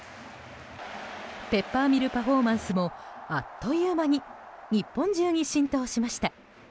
ペッパーミルパフォーマンスもあっという間に日本中に浸透しました。